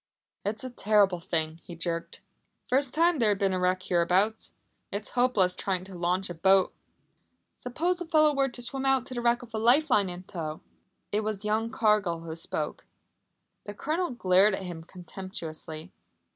"It's a terrible thing," he jerked. "First time there has been a wreck hereabouts. It's hopeless trying to launch a boat " "Suppose a fellow were to swim out to the wreck with a life line in tow?" It was young Cargill who spoke. The Colonel glared at him contemptuously.